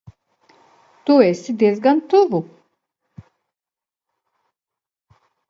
Tu esi diezgan tuvu.